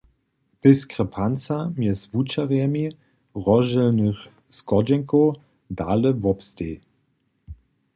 Diskrepanca mjez wučerjemi rozdźělnych schodźenkow dale wobsteji.